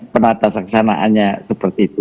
penata saksanaannya seperti itu